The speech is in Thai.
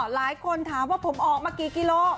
หลายคนถามว่าผมออกมากี่กิโล